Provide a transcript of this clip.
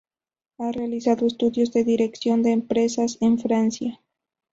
Ha realizado estudios de Dirección de empresas en Francia.